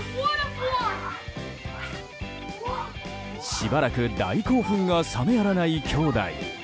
しばらく大興奮が冷めやらない兄弟。